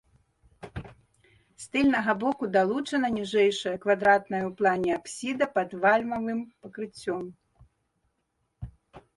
З тыльнага боку далучана ніжэйшая квадратная ў плане апсіда пад вальмавым пакрыццём.